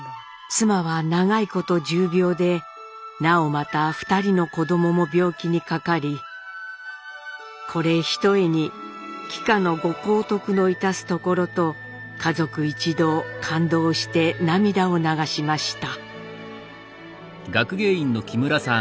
「妻は長いこと重病でなおまた２人の子どもも病気にかかりこれひとえに貴下のご高徳の致すところと家族一同感動して涙を流しました」。